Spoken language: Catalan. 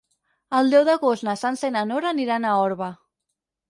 El deu d'agost na Sança i na Nora aniran a Orba.